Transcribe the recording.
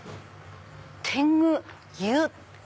「天狗湯」。